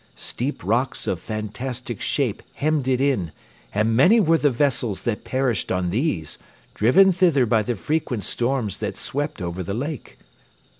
Steep rocks of fantastic shape hemmed it in, and many were the vessels which perished on these, driven thither by the frequent storms that swept over the lake.